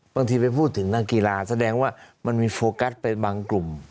บางทีไปพูดถึงนักกีฬาแสดงว่ามันมีโฟกัสไปบางกลุ่ม